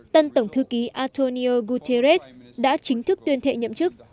tân tổng thư ký antonio guterres đã chính thức tuyên thệ nhậm chức